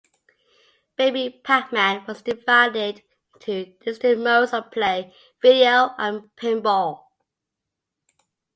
"Baby Pac-Man" was divided into two distinct modes of play: Video and Pinball.